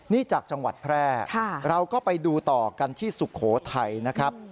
นี่จากจังหวัดแพร่เราก็ไปดูต่อกันที่สุโขทัยนะครับ